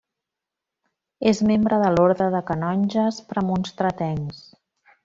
És membre de l'Orde de Canonges Premonstratencs.